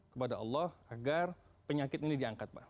kepada allah agar penyakit ini diangkat pak